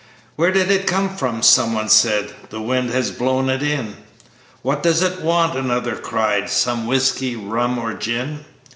"Where did it come from?" someone said. " The wind has blown it in." "What does it want?" another cried. "Some whiskey, rum or gin?"